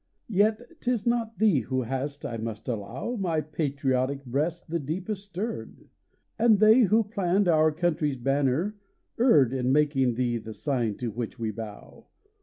Yet tis not thee who hast, I must allow, My patriotic breast the deepest stirred, 27 SONNETS OF A BUDDING BARD And they who planned our country s banner erred In makin thee the sign to which we bow.